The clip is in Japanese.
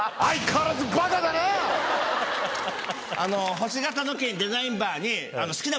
あの星形の金デザインバーに。